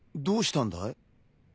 どうしたんだい？